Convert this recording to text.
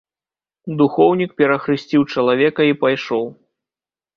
Духоўнік перахрысціў чалавека і пайшоў.